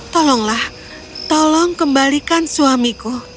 tolonglah tolong kembalikan suamiku